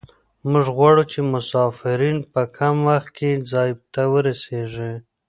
موږ غواړو چې مسافرین په کم وخت کې ځای ته ورسیږي